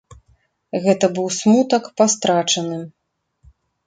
Гэта быў смутак па страчаным.